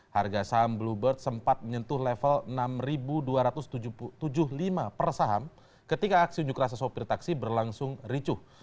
harga saham bluebird sempat menyentuh level enam dua ratus tujuh puluh lima per saham ketika aksi unjuk rasa sopir taksi berlangsung ricuh